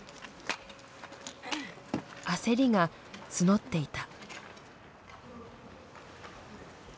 焦りが募っていた。